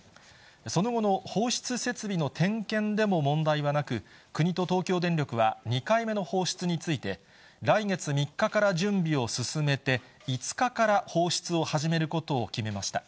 その後の放出設備の点検でも問題はなく、国と東京電力は２回目の放出について、来月３日から準備を進めて、５日から放出を始めることを決めました。